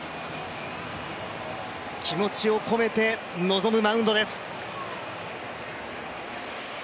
気持ちを込めて臨むマウンドです。